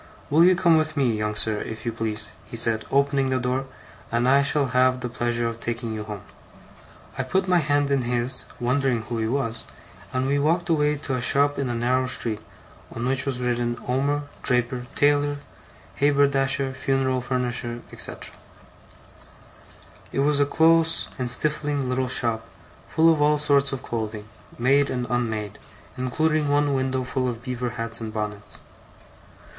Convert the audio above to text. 'Will you come with me, young sir, if you please,' he said, opening the door, 'and I shall have the pleasure of taking you home.' I put my hand in his, wondering who he was, and we walked away to a shop in a narrow street, on which was written OMER, DRAPER, TAILOR, HABERDASHER, FUNERAL FURNISHER, &c. It was a close and stifling little shop; full of all sorts of clothing, made and unmade, including one window full of beaver hats and bonnets.